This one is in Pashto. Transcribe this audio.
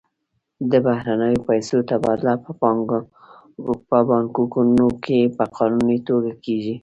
د بهرنیو پیسو تبادله په بانکونو کې په قانوني توګه کیږي.